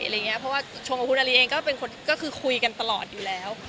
เพราะว่าชงกับภูนาลีเองก็คือคุยกันตลอดอยู่แล้ว